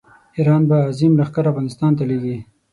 ایران به عظیم لښکر افغانستان ته لېږي.